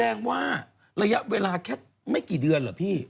แสดงว่าระยะเวลาแค่ไม่กี่เดือนเหรอพี่